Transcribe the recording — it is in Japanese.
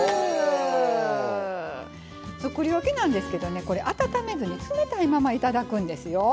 つくりおきなんですけどねこれ温めずに冷たいままいただくんですよ。